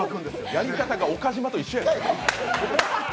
やり方が岡島と一緒やねん。